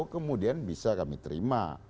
kemudian bisa kami terima